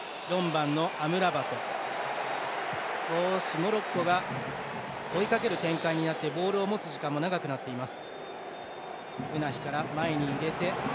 モロッコが追いかける展開になってボールを持つ時間も長くなっています。